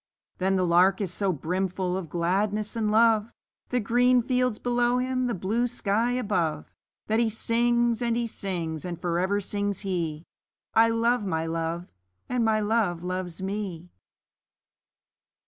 But the Lark is so brimful of gladness and love, The green fields below him, the blue sky above, That he sings, and he sings; and for ever sings he 'I love my Love, and my Love loves me!'